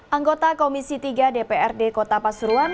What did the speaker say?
anggota komisi tiga dprd kota pasuruan